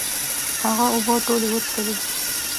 هغه اوبه ټولي وڅکلي